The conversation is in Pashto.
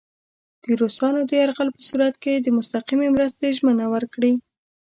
د روسانو د یرغل په صورت کې د مستقیمې مرستې ژمنه ورکړي.